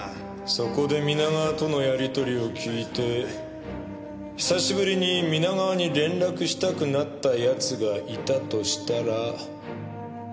そこで皆川とのやり取りを聞いて久しぶりに皆川に連絡したくなった奴がいたとしたらどうなる？